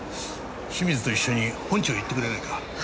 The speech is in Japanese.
清水と一緒に本庁へ行ってくれないか。